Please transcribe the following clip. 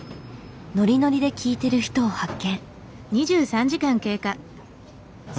ノリノリで聴いてる人を発見。